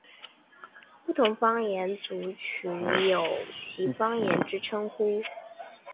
不同方言族群有其方言之称呼。